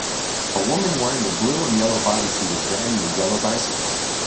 A woman wearing a blue and yellow bodysuit is riding a yellow bicycle.